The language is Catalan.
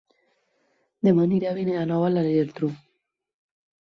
Dema aniré a Vilanova i la Geltrú